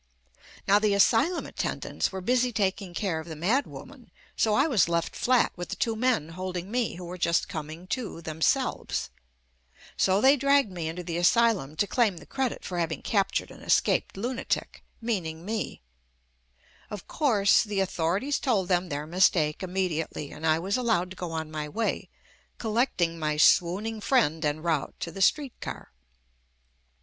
Now the asylum attendants were busy tak ing care of the mad woman so I was left flat with the two men holding me who were just coming too, themselves. So they dragged me into the asylum to claim the credit for having JUST ME captured an escaped lunatic, meaning me. Of course, the authorities told them their mistake immediately, and I was allowed to go on my way, collecting my swooning friend en route to the street car.